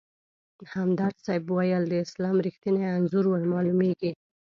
همدرد صیب ویل: د اسلام رښتیني انځور ورمالومېږي.